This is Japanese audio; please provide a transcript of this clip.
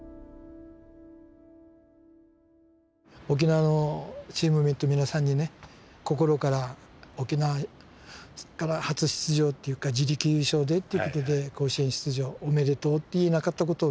沖縄のチームメートの皆さんにね心から沖縄から初出場っていうか自力優勝でっていうことで甲子園出場おめでとうって言えなかったことをね